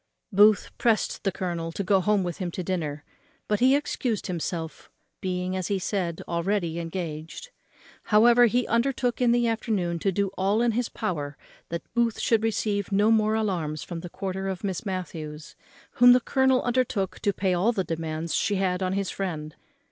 Booth pressed the colonel to go home with him to dinner; but he excused himself, being, as he said, already engaged. However, he undertook in the afternoon to do all in his power that Booth should receive no more alarms from the quarter of Miss Matthews, whom the colonel undertook to pay all the demands she had on his friend.